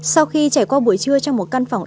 sau khi trải qua buổi trưa trong một căn phòng